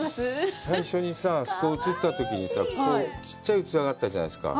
最初のさぁ、あそこが映ったときに、ちっちゃい器があったじゃないですか。